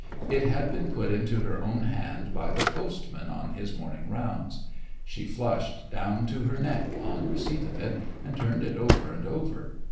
It had been put into her own hand by the postman on his morning rounds. She flushed down to her neck on receipt of it, and turned it over and over.